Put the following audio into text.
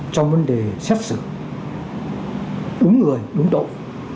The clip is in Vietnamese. chắc sự đúng người đúng tội